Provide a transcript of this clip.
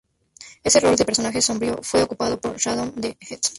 Ese rol de personaje sombrío fue ocupado por Shadow the Hedgehog.